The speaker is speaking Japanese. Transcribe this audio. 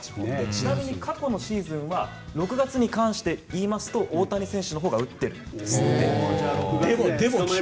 ちなみに、過去のシーズンは６月に関して言うと大谷選手のほうが打っているんですって。